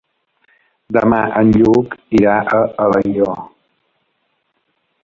Demà en Lluc irà a Alió.